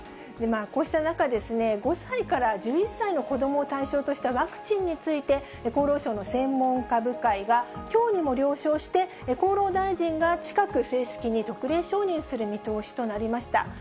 こうした中、５歳から１１歳の子どもを対象としたワクチンについて、厚労省の専門家部会がきょうにも了承して、厚労大臣が近く、正式に特例承認する見通しとなりました。